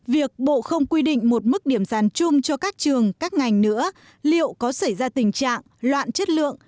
việc bộ không quy định một mức điểm sàn chung cho các trường các ngành nữa liệu có xảy ra tình trạng loạn chất lượng